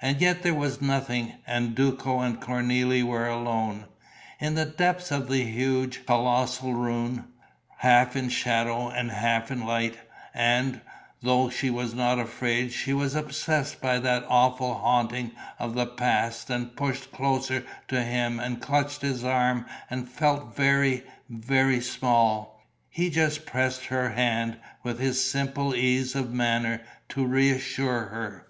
And yet there was nothing and Duco and Cornélie were alone, in the depths of the huge, colossal ruin, half in shadow and half in light; and, though she was not afraid, she was obsessed by that awful haunting of the past and pushed closer to him and clutched his arm and felt very, very small. He just pressed her hand, with his simple ease of manner, to reassure her.